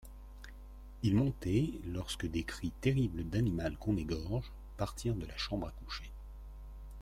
Il montait, lorsque des cris terribles d'animal qu'on égorge partirent de la chambre à coucher.